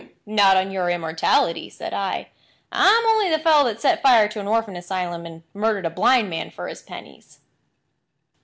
"Not on your immortality," said I. "I'm only the fellow that set fire to an orphan asylum, and murdered a blind man for his pennies."